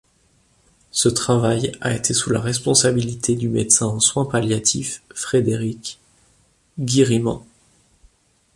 Ce travail a été sous la responsabilité du médecin en Soins Palliatifs Frédéric Guirimand.